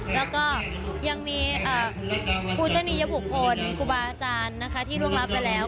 แล้วก็ยังมีภูชนียบุคคลครูบาอาจารย์นะคะที่ร่วงรับไปแล้ว